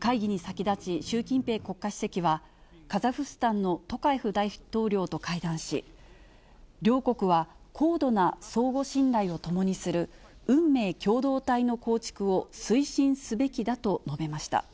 会議に先立ち、習近平国家主席は、カザフスタンのトカエフ大統領と会談し、両国は高度な相互信頼を共にする、運命共同体の構築を推進すべきだと述べました。